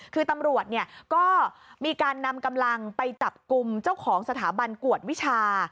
คือตำรวจก็มีการนำกำลังไปจับกลุ่มเจ้าของสถาบันกวดวิชา